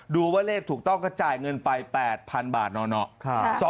ดูว่าเลขถูกต้องก็จ่ายเงินไป๘๐๐๐บาทเนาะ